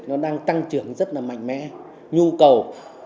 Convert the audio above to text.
nó đang tăng trưởng rất là mạnh mẽ nhu cầu